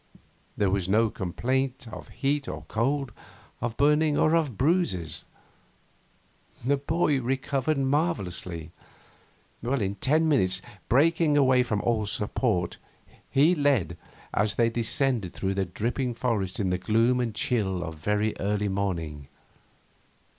There was no complaint of heat or cold, of burning or of bruises. The boy recovered marvellously. In ten minutes, breaking away from all support, he led, as they descended through the dripping forest in the gloom and chill of very early morning.